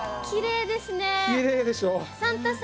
きれいでしょ。